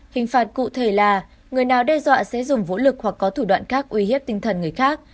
hình phạt cụ thể là người nào đe dọa sẽ dùng vũ lực hoặc có thủ đoạn khác uy hiếp tinh thần người khác